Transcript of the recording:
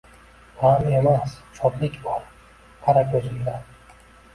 G’am emas, shodlik bor, qara ko’zimda